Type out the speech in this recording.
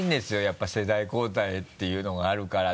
やっぱ世代交代っていうのがあるから。